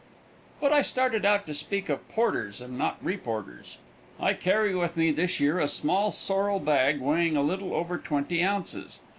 But I started out to speak of porters and not reporters. I carry with me, this year, a small, sorrel bag, weighing a little over twenty ounces.